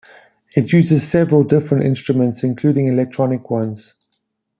It uses several different instruments including electronic ones.